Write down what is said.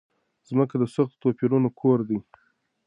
ځمکه د سختو توپيرونو کور دی.